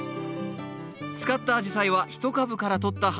使ったアジサイは一株からとった花です。